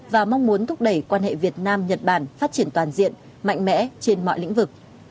và mong muốn thúc đẩy quan hệ việt nam nhật bản phát triển toàn diện mạnh mẽ trên mọi lĩnh vực